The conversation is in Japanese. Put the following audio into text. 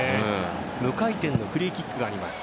無回転のフリーキックがあります。